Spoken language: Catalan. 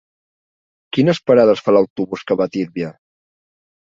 Quines parades fa l'autobús que va a Tírvia?